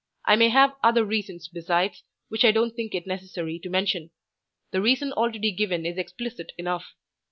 I may have other reasons besides, which I don't think it necessary to mention. The reason already given is explicit enough.